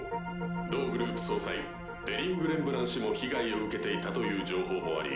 同グループ総裁デリング・レンブラン氏も被害を受けていたという情報もあり。